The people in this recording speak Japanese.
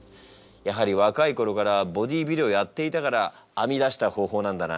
やはり若い頃からボディービルをやっていたから編み出した方法なんだな。